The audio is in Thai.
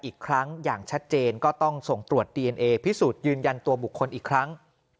อีกครั้งอย่างชัดเจนก็ต้องส่งตรวจดีเอนเอพิสูจน์ยืนยันตัวบุคคลอีกครั้ง